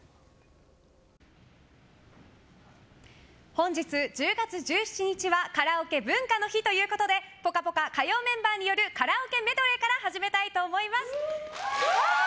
本日１０月１７日はカラオケ文化の日ということで「ぽかぽか」火曜メンバーによるカラオケメドレーから始めたいと思います！